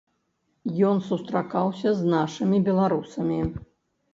Ён сустракаўся з нашымі беларусамі.